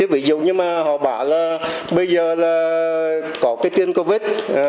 ví dụ như mà họ bảo là bây giờ là có cái tiền covid